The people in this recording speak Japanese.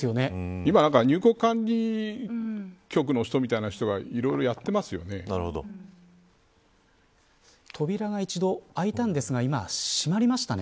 今、入国管理局の人みたいな人が扉が一度、開いたんですが今、閉まりましたね。